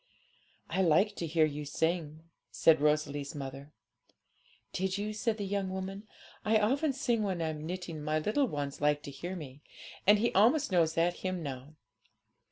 'I liked to hear you sing,' said Rosalie's mother. 'Did you?' said the young woman.' I often sing when I'm knitting; my little one likes to hear me, and he almost knows that hymn now.